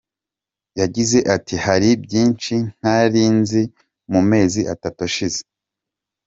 Yagize ati:” Hari byinshi ntari nzi mu mezi atatu ashize.